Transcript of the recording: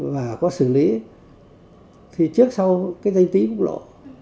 và có xử lý thì trước sau cái danh tí cũng lộ